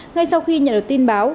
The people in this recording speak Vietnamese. ngay sau khi nhận được tin báo